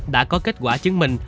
đã có kết quả chứng minh